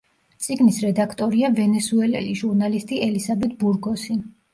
წიგნის რედაქტორია ვენესუელელი ჟურნალისტი ელისაბედ ბურგოსი.